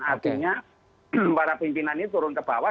artinya para pimpinan ini turun ke bawah